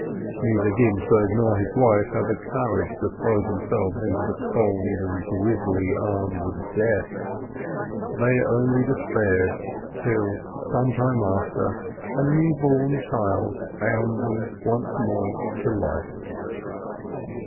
Neither Ginzburg nor his wife had the courage to throw themselves into the cold and grizzly arms of death. They only despaired, until, some time after, a new born child bound them once more to life.